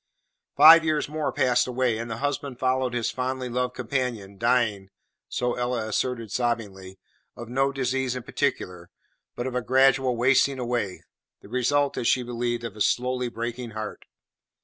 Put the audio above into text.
Five years more passed away, and the husband followed his fondly loved companion, dying (so Ella asserted sobbingly) of no disease in particular, but of a gradual wasting away, the result, as she believed, of a slowly breaking heart.